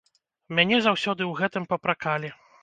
Мяне заўсёды ў гэтым папракалі.